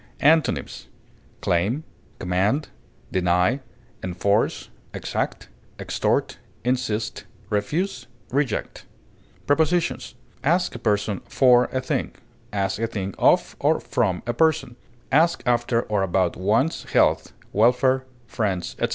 Antonyms: claim, deny, enforce, exact, extort, insist, refuse, reject. command, Prepositions: Ask a person for a thing; ask a thing of or from a person; ask after or about one's health, welfare, friends, etc.